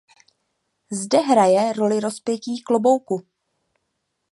Zde hraje roli rozpětí klobouku.